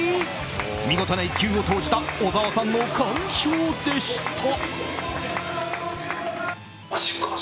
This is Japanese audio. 見事な１球を投じた小沢さんの完勝でした。